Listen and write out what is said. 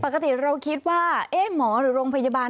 ปกติเราคิดว่าหมอหรือโรงพยาบาล